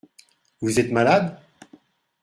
Vous êtes malade ?